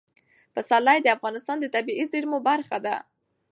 پسرلی د افغانستان د طبیعي زیرمو برخه ده.